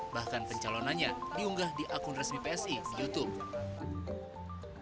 bahkan pencalonannya diunggah di akun resmi psi youtube